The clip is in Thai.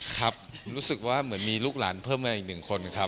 ครับรู้สึกว่าเหมือนมีลูกหลานเพิ่มมาอีกหนึ่งคนครับ